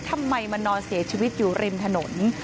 ทำไมมานอนเสียชีวิตอยู่ริมถนน